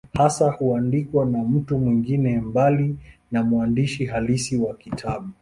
Hasa huandikwa na mtu mwingine, mbali na mwandishi halisi wa kitabu.